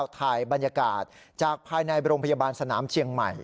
ถ่ายบรรยากาศจากภายในโรงพยาบาลสนามเชียงใหม่